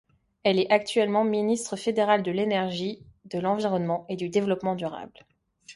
Elle est actuellement ministre fédérale de l'Énergie, de l'Environnement et du Développement durable.